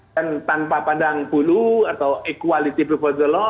dan tanpa pandang bulu atau equality before the law